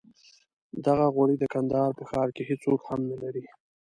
دغه غوړي د کندهار په ښار کې هېڅوک هم نه لري.